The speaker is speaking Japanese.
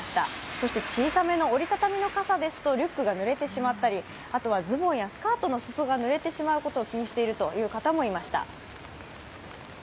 そして小さめの折りたたみの傘ですとリュックがぬれてしまったりあとはズボンやスカートの裾がぬれてしまうのを気にしている方もいました。